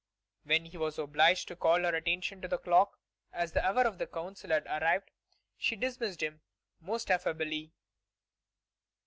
When he was obliged to call her attention to the clock, as the hour for the Council had arrived, she dismissed him most affably.